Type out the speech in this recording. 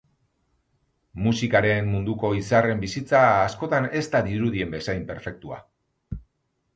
Musikaren munduko izarren bizitza askotan ez da dirudien bezain perfektua.